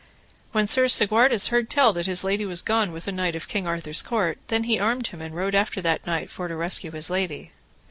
When Sir Segwarides heard tell that his lady was gone with a knight of King Arthur's court, then he armed him and rode after that knight for to rescue his lady.